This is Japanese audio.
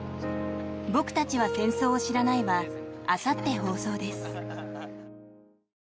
「僕たちは戦争を知らない」はあさって放送です。